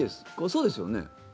そうですよね？